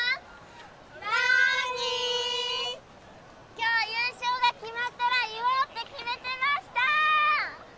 今日優勝が決まったら言おうって決めてました！